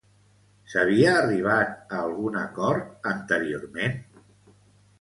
S'havia arribat a algun acord anteriorment?